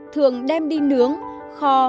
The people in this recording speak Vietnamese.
thường đem đi nướng kho